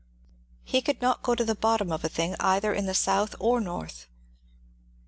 '' He could not go to the bottom of a thing either in the South or North.